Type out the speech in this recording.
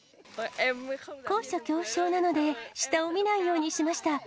高所恐怖症なので、下を見ないようにしました。